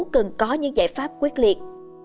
cần có những giải pháp quyết liệt